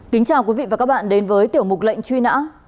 kính chào quý vị và các bạn đến với tiểu mục lệnh truy nã